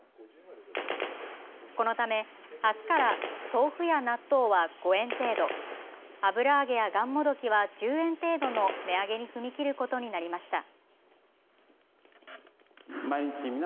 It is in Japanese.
このため、あすから豆腐や納豆は５円程度、油揚げやがんもどきは１０円程度の値上げに踏み切ることになりました。